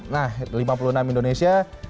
nah lima puluh enam indonesia